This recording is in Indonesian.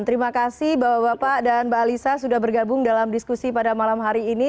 terima kasih bapak bapak dan mbak alisa sudah bergabung dalam diskusi pada malam hari ini